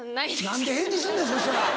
何で返事すんねんそしたら。